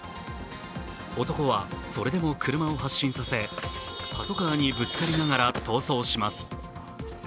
男は、それでも車を発進させ、パトカーにぶつかりながら逃走します。